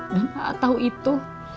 dan a'a tau itu